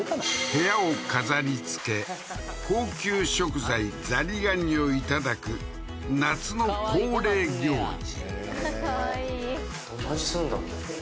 部屋を飾り付け高級食材ザリガニを頂く夏の恒例行事